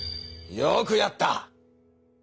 よくやった！